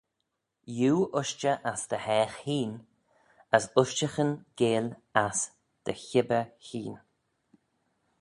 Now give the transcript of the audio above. Iu ushtey ass dty haagh hene, as ushtaghyn geill ass dty hibbyr hene.